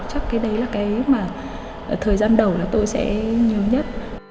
chắc cái đấy là cái mà thời gian đầu là tôi sẽ nhớ nhất